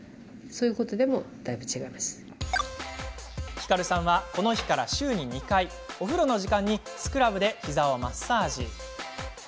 ひかるさんは、この日から週２回、お風呂の時間にスクラブで、ひざをマッサージ。